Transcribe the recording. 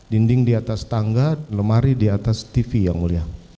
dinding di atas tangga lemari di atas tv yang mulia